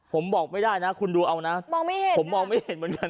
ผมบอกไม่ได้นะคุณดูเอานะผมมองไม่เห็นเหมือนกัน